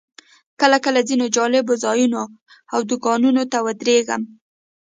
کله کله ځینو جالبو ځایونو او دوکانونو ته ودرېږم.